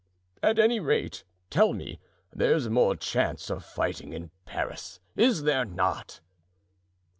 At any rate, tell me: there's more chance of fighting in Paris, is there not?"